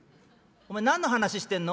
「お前何の話してんの？」。